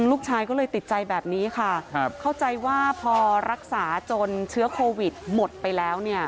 ลูกชายก็เลยติดใจแบบนี้ค่ะเข้าใจว่าพอรักษาจนเชื้อโควิดหมดไปแล้วเนี่ย